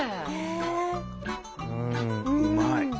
うまい。